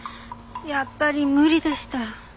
やっぱり無理でした。